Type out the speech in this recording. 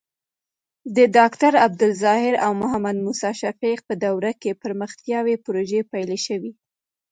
د ډاکټر عبدالظاهر او محمد موسي شفیق په دورو کې پرمختیايي پروژې پلې شوې.